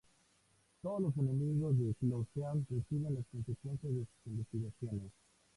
Todos los enemigos de Clouseau reciben las consecuencias de sus investigaciones.